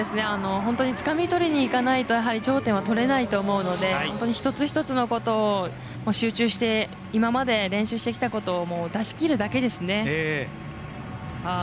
本当につかみとりにいかないと頂点は取れないと思うので本当に一つ一つのことを集中して今まで練習してきたことを出しきるだけですね。